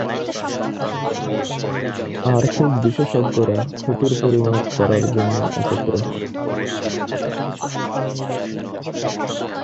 আর্থিক বিশেষজ্ঞরা ক্ষতির পরিমাপ করার জন্য একত্র হন।